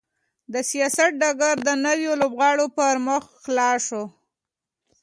د سیاست ډګر د نویو لوبغاړو پر مخ خلاص شو.